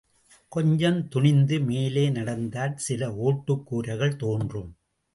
கொஞ்சம் துணிந்து மேலே நடந்தால் சில ஒட்டுக் கூரைகள் தோன்றும்.